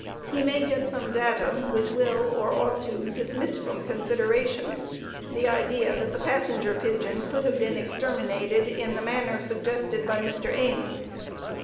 he may get some data which will (or ought to) dismiss from consideration the idea that the passenger pigeon could have been exterminated in the manner suggested by Mr. Ames.